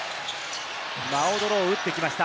マオド・ロー、打ってきました。